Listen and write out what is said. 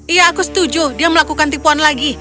iya aku setuju dia melakukan tipuan lagi